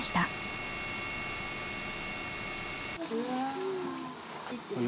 ・うわ。